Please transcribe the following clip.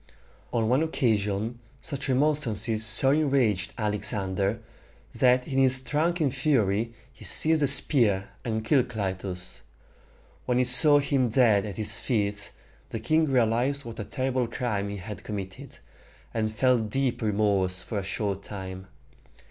On one occasion such remonstrances so enraged Alexander, that in his drunken fury he seized a spear and killed Clytus. When he saw him dead at his feet, the king realized what a terrible crime he had committed, and felt deep remorse for a short time.